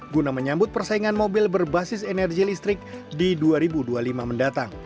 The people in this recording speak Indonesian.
guna menyambut persaingan mobil berbasis energi listrik di dua ribu dua puluh lima mendatang